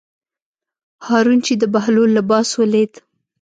هارون چې د بهلول لباس ولید.